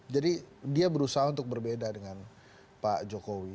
jadi dia berusaha untuk berbeda dengan pak jokowi